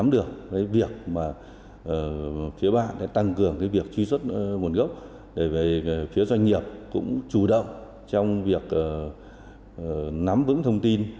để phía doanh nghiệp cũng chủ động trong việc nắm vững thông tin